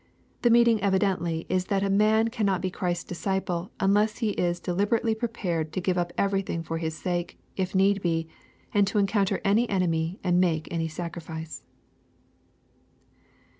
*' The meaning evi dently is that a man cannot be Christ's disciple unless he is delib erately prepared to give up everything for His sake, if need be, and to encounter any enemy, and make any sacrifice.